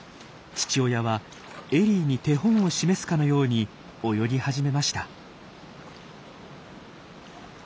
父親はエリーに手本を示すかのように泳ぎ始めました。